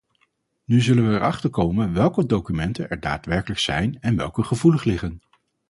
Nu zullen wij erachter komen welke documenten er daadwerkelijk zijn en welke gevoelig liggen.